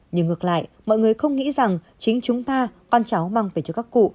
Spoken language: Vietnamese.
nhưng ngược lại mọi người không nghĩ rằng chính chúng ta con cháu mang về cho các cụ